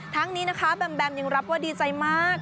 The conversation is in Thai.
ทั้งนี้นะคะแบมแบมยังรับว่าดีใจมาก